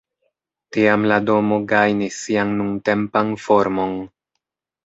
Tiam la domo gajnis sian nuntempan formon.